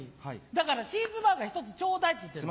だからチーズバーガー１つちょうだいって言ってるの。